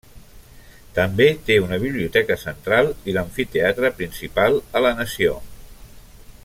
També té una biblioteca central i l'amfiteatre principal a la nació.